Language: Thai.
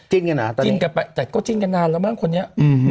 จิ้นกันหรอตอนนี้จิ้นกันไปแต่ก็จิ้นกันนานแล้วมั้งคนนี้